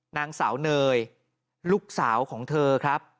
นางสาวเนยลูกสาวของเธอครับ